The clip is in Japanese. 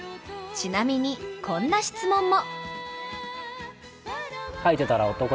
ちなみにこんな質問も。